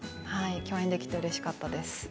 共演できてうれしかったです。